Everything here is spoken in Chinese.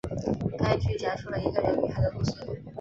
该剧讲述了一个人与海的故事。